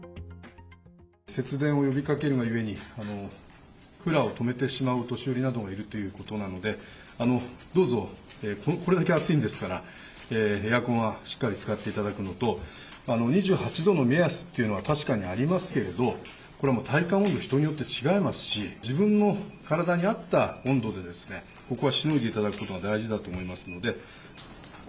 節電を呼びかけるがゆえに、クーラーを止めてしまうお年寄りなどもいるということなので、どうぞ、これだけ暑いんですから、エアコンはしっかり使っていただくのと、２８度の目安っていうのは確かにありますけれども、これはもう体感温度、人によって違いますし、自分の体に合った温度で、ここはしのいでいただくことが大事だと思いますので。